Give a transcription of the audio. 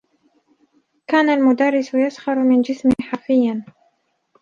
كان المدرّس يسخر من جسمي حرفيّا.